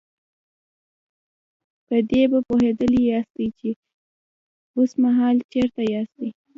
په دې به پوهېدلي ياستئ چې اوسمهال چېرته ياستئ.